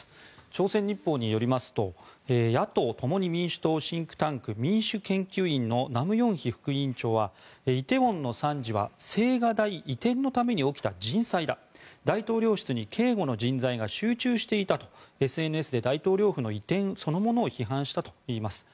朝鮮日報によりますと野党・共に民主党シンクタンク民主研究院のナム・ヨンヒ副院長は梨泰院の惨事は青瓦台移転のために起きた人災だ大統領室に警護の人材が集中していたとＳＮＳで大統領府の移転そのものを批判したといいます。